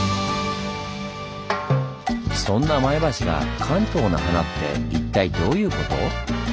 そんな前橋が「関東の華」って一体どういうこと？